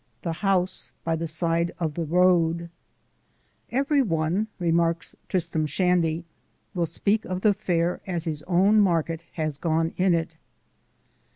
THE HOUSE BY THE SIDE OF THE ROAD "Everyone," remarks Tristram Shandy, "will speak of the fair as his own market has gone in it."